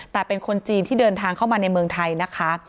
แต่เป็นคนจีนที่เดินทางเข้ามาในเมืองไทยนะคะ